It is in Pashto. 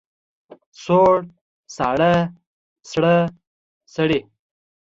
سوړ، ساړه، سړه، سړې.